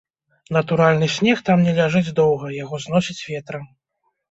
Натуральны снег там не ляжыць доўга, яго зносіць ветрам.